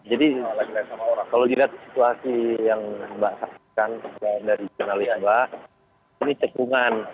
jadi kalau dilihat situasi yang mbak saksikan dari jurnal iaba ini cekungan